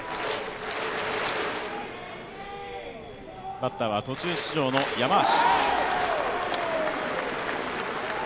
バッターは途中出場の山足。